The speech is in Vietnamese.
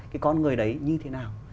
cái con người đấy như thế nào